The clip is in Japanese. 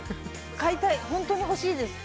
買いたいホントに欲しいです